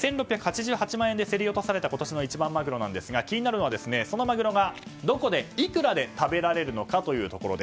１６８８万円で競り落とされた今年の一番マグロなんですが気になるのはそのマグロがどこで、いくらで食べられるのか。